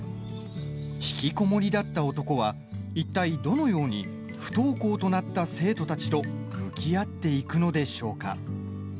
ひきこもりだった男はいったい、どのように不登校となった生徒たちと向き合っていくのでしょうか。